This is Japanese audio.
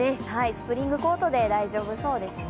スプリングコートで大丈夫そうですね。